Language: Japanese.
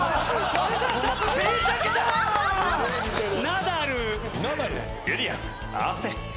ナダル。